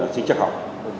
xin chắc học